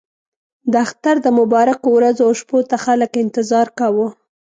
د اختر د مبارکو ورځو او شپو ته خلکو انتظار کاوه.